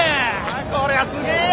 ・こりゃすげえや！